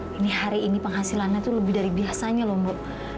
bu ini hari ini penghasilannya tuh lebih dari biasanya loh bu